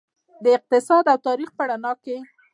د اقتصاد او تاریخ په رڼا کې.